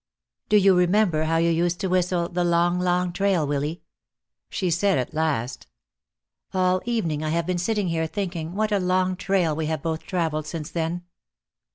"Do you remember how you used to whistle 'The Long, Long Trail,' Willy?" she said at last. "All evening I have been sitting here thinking what a long trail we have both traveled since then."